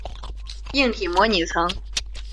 硬体模拟层。